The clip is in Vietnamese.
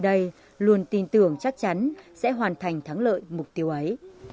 chính quyền và người dân nơi đây luôn tin tưởng chắc chắn sẽ hoàn thành thắng lợi mục tiêu ấy